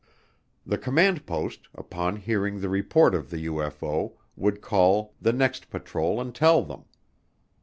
The command post, upon hearing the report of the UFO, would call the next patrol and tell them.